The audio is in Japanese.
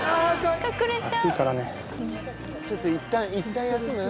ちょっといったん休む？